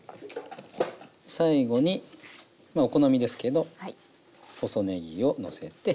最後にお好みですけど細ねぎをのせて。